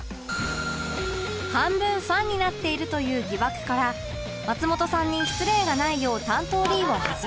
半分ファンになっているという疑惑から松本さんに失礼がないよう担当 Ｄ を外れ